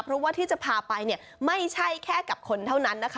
เพราะว่าที่จะพาไปเนี่ยไม่ใช่แค่กับคนเท่านั้นนะคะ